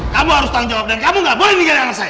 kamu harus tanggung jawab dan kamu gak boleh mikirin anak saya